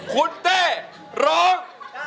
คุณเต้ร้อง